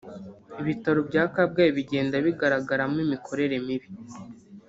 Ibitaro bya Kabgayi bigenda bigaragaramo imikorere mibi